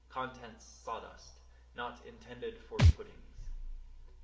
"Contents, sawdust; not intended for puddings."